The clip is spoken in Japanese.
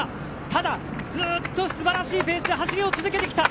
ただ、ずっと素晴らしいペースで走りを続けてきた。